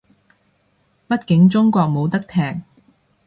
畢竟中國冇得踢